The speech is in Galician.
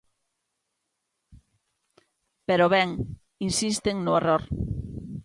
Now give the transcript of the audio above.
Pero, ben, insisten no error.